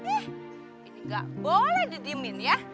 ih ini gak boleh didiemin ya